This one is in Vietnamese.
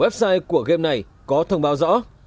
website của game này có thông báo rõ